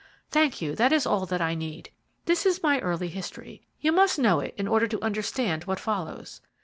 "Thank you; that is all that I need. This is my early history. You must know it in order to understand what follows.